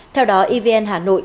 theo đó evn hà nội